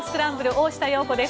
大下容子です。